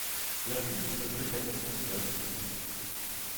La pluie tombait fréquemment, et à grosses gouttes.